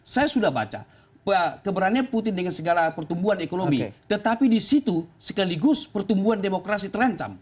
saya sudah baca keberanian putin dengan segala pertumbuhan ekonomi tetapi di situ sekaligus pertumbuhan demokrasi terancam